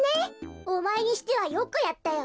おまえにしてはよくやったよ。